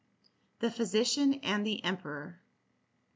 THE PHYSICIAN AND THE EMPEROR.